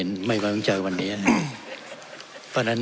ท่านประธานที่ขอรับครับ